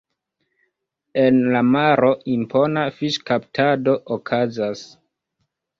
En la maro impona fiŝkaptado okazas.